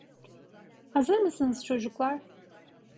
Hazır mısınız çocuklar?